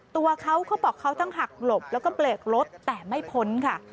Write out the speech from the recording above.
ตัวเขาเขาบอกเขาทั้งหักหลบแล้วก็เบรกรถแต่ไม่พ้นค่ะ